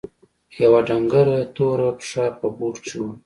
يوه ډنګره توره پښه په بوټ کښې وه.